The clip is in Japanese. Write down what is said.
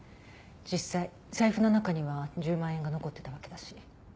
実際財布の中には１０万円が残ってたわけだし。